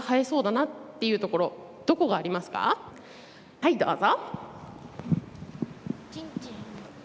はい、どうぞ。